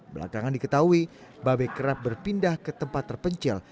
belakangan diketahui babe kerap berpindah ke tempat terpencil